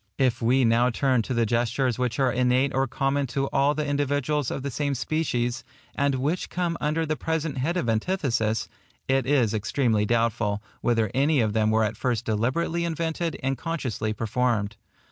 If we now turn to the gestures which are innate or common to all the individuals of the same species, and which come under the present head of antithesis, it is extremely doubtful, whether any of them were at first deliberately invented and consciously performed.